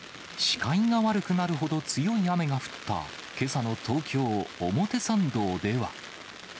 視界が悪くなるほど強い雨が降ったけさの東京・表参道では。